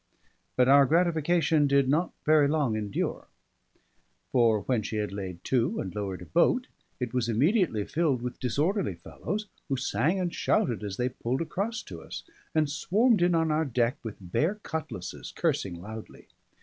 But our gratification did not very long endure; for when she had laid to and lowered a boat, it was immediately filled with disorderly fellows, who sang and shouted as they pulled across to us, and swarmed in on our deck with bare cutlasses, cursing loudly.